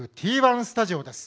Ｔ１スタジオです。